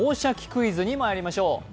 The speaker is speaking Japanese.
クイズ」にまいりましょう。